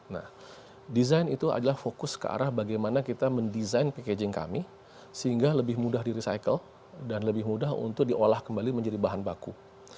nah desain itu adalah fokus ke arah bagaimana kita mendesain packaging kami sehingga lebih mudah di recycle dan lebih mudah untuk diolah kembali menjadi bahan baku